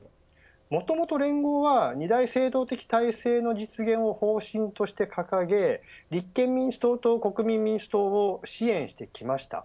もともと連合は、二大政党的体制の実現を方針として掲げ立憲民主党と国民民主党を支援してきました。